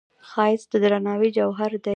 ښایست د درناوي جوهر دی